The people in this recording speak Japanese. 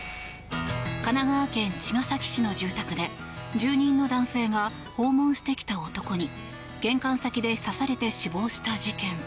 神奈川県茅ヶ崎市の住宅で住人の男性が訪問してきた男に玄関先で刺されて死亡した事件。